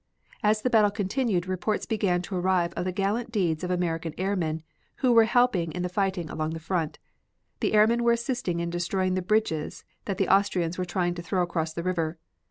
As the battle continued reports began to arrive of the gallant deeds of American airmen, who were helping in the fighting along the front. The airmen were assisting in destroying the bridges that the Austrians were trying to throw across the river.